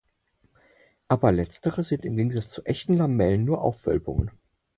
Aber letztere sind im Gegensatz zu echten Lamellen nur Aufwölbungen.